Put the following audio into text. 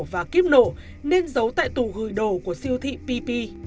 và kiếp nổ nên giấu tại tù gửi đồ của siêu thị pp